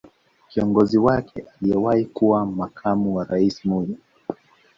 Kiongozi wake aliyewahi kuwa makamu wa rais Moi